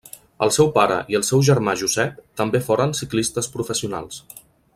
El seu pare i el seu germà Josep també foren ciclistes professionals.